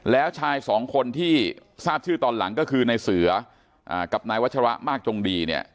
แล้วชายสองคนที่ทราบชื่อตอนหลังก็คือนายเสือกับนายวัชระมากจงดีเนี่ย